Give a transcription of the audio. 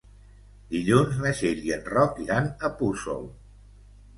Dilluns na Txell i en Roc iran a Puçol.